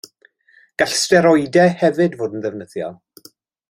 Gall steroidau hefyd fod yn ddefnyddiol.